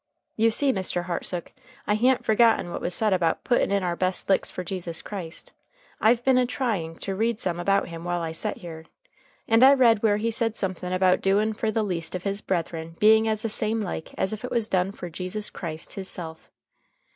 "You see, Mr. Hartsook, I ha'n't forgot what was said about puttin' in our best licks for Jesus Christ. I've been a trying to read some about him while I set here. And I read where he said somethin about doing fer the least of his brethren being as the same like as if it was done fer Jesus Christ his self.